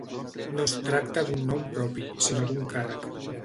No es tracta d'un nom propi, sinó d'un càrrec.